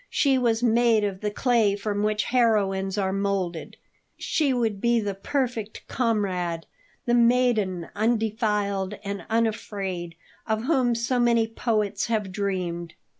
She was made of the clay from which heroines are moulded; she would be the perfect comrade, the maiden undefiled and unafraid, of whom so many poets have dreamed.